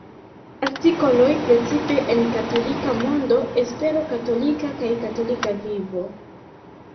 Artikoloj precipe en Katolika Mondo, Espero Katolika kaj Katolika Vivo.